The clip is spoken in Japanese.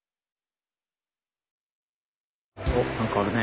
おっ何かあるね。